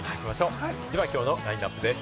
では、きょうのラインナップです。